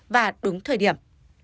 và đúng thời điểm